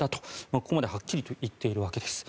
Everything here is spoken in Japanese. ここまではっきりと言っているわけです。